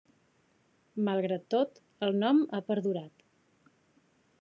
Malgrat tot, el nom ha perdurat.